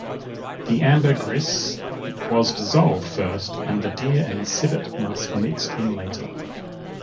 The ambergris was dissolved first and the deer and civet musk mixed in later.